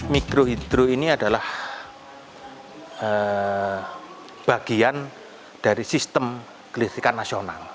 mikro hidro ini adalah bagian dari sistem gelitrikan nasional